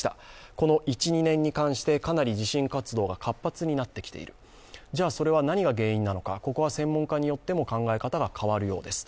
この１２年に関してかなり地震活動が活発になってきている、じゃあそれは何が原因なのか、ここは専門家によっても考え方が変わるそうです。